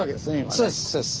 そうです。